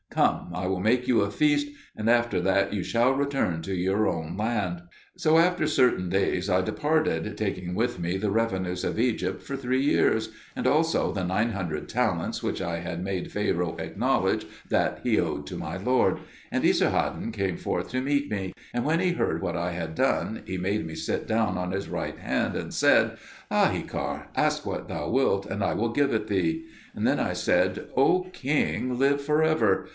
Come, I will make you a feast, and after that you shall return to your own land." So after certain days I departed, taking with me the revenues of Egypt for three years, and also the nine hundred talents which I had made Pharaoh acknowledge that he owed to my lord. And Esar haddon came forth to meet me; and when he heard what I had done, he made me sit down on his right hand, and said, "Ahikar, ask what thou wilt and I will give it thee." Then I said, "O king, live for ever!